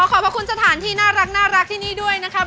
ขอบพระคุณสถานที่น่ารักที่นี่ด้วยนะครับ